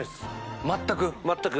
全く？